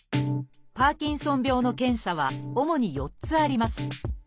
パーキンソン病の検査は主に４つあります。